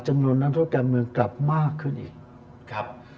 จำนวนนักโทษการเมืองกลับมากขึ้นอีกครับ